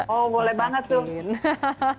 oh boleh banget tuh